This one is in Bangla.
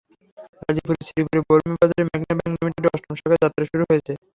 গাজীপুরের শ্রীপুরের বরমী বাজারে মেঘনা ব্যাংক লিমিটেডের অষ্টম শাখার যাত্রা শুরু হয়েছে।